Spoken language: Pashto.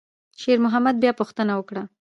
شېرمحمد بیا پوښتنه وکړه.